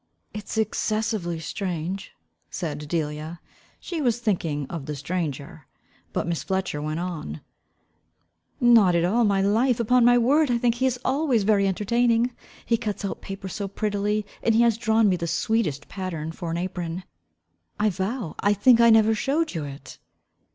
"It is exessively strange," said Delia. (She was thinking of the stranger.) But Miss Fletcher went on "Not at all, my life. Upon my word I think he is always very entertaining. He cuts out paper so prettily, and he has drawn me the sweetest pattern for an apron. I vow, I think, I never showed you it."